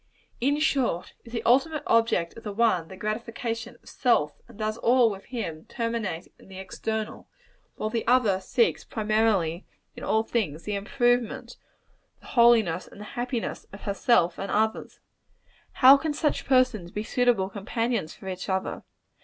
In short, is the ultimate object of the one, the gratification of self; and does all, with him, terminate in the external; while the other seeks primarily, in all things, the improvement, the holiness and the happiness of herself and others? How can such persons be suitable companions for each other?